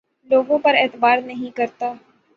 لوگوں پر اعتبار نہیں کرتا